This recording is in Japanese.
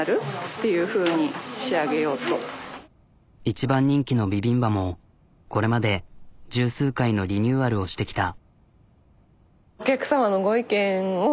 一番人気のビビンバもこれまで十数回のリニューアルをしてきた。